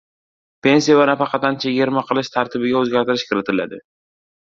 Pensiya va nafaqadan chegirma qilish tartibiga o‘zgartirish kiritiladi